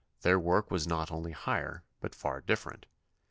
Their work was not only higher but far different.